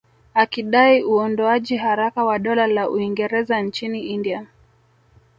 Akidai uondoaji haraka wa Dola la Uingereza nchini India